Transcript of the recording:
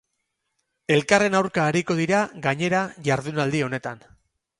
Elkarren aurka ariko dira gainera jardunaldi honetan.